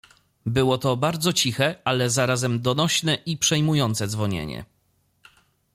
"Było to bardzo ciche, ale zarazem donośne i przejmujące dzwonienie."